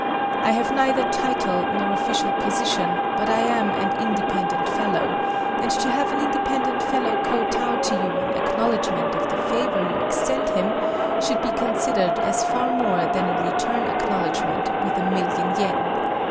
I have neither title nor official position but I am an independent fellow, and to have an independent fellow kowtow to you in acknowledgment of the favor you extend him should be considered as far more than a return acknowledgment with a million yen.